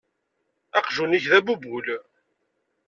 Aqjun-ik d abubul.